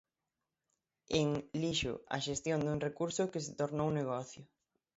En 'Lixo, a xestión dun recurso que se tornou negocio'.